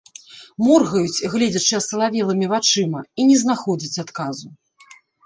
Моргаюць, гледзячы асалавелымі вачыма, і не знаходзяць адказу.